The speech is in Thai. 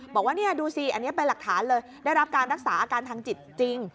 บอกว่านี่ดูสิอันนี้เป็นหลักฐานเลยได้รับการรักษาอาการทางจิตจริง